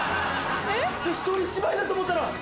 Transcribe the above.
一人芝居だと思ったら。